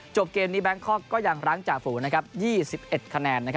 เกมนี้แบงคอกก็ยังร้างจ่าฝู๒๑คะแนน